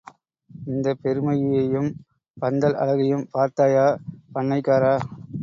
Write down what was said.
இந்தப் பெருமையையும் பந்தல் அழகையும் பார்த்தாயா பண்ணைக்காரா?